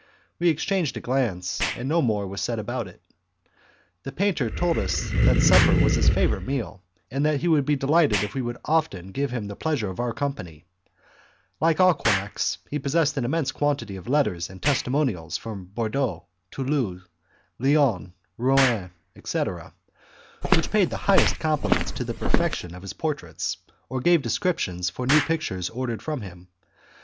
We exchanged a glance, and no more was said about it. The painter told us that supper was his favourite meal, and that he would be delighted if we would often give him the pleasure of our company. Like all quacks, he possessed an immense quantity of letters and testimonials from Bordeaux, Toulouse, Lyons, Rouen, etc., which paid the highest compliments to the perfection of his portraits, or gave descriptions for new pictures ordered from him.